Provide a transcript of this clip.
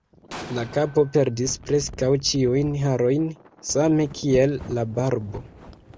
La kapo perdis preskaŭ ĉiujn harojn, same kiel la barbo.